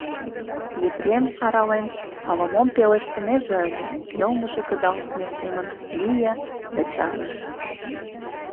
Епрем, арален, ала-мом пелештынеже ыле, йылмыже кылдалтме семын лие да чарныш.